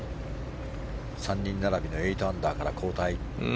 ３人並びの８アンダーから後退。